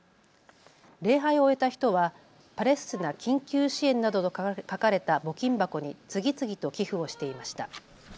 礼拝を終えた人はパレスチナ緊急支援などと書かれた募金箱に次々と寄付をしていました。